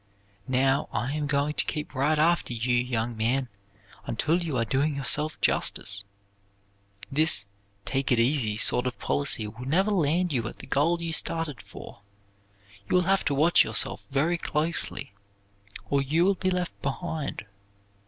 Now, I am going to keep right after you, young man, until you are doing yourself justice. This take it easy sort of policy will never land you at the goal you started for. You will have to watch yourself very closely or you will be left behind.